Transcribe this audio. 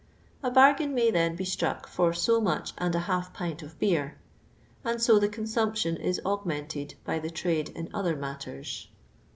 A bargain may then be struck for so much and a half pint of beer, and so the con sumption is augmented by the trade in other matters.